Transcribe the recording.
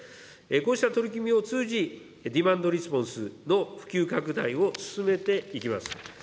こうした取り組みを通じ、ディマンドレスポンスの普及拡大を進めていきます。